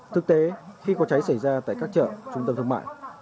thực tế khi có cháy xảy ra tại các chợ trung tâm thương mại